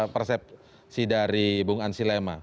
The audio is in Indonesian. persepsi dari bung ansi lema